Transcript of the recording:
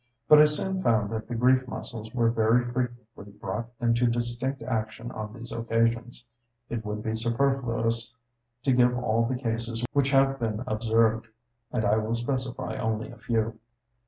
But I soon found that the grief muscles were very frequently brought into distinct action on these occasions. It would be superfluous to give all the cases which have been observed; and I will specify only a few.